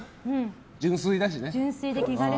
純粋だしね。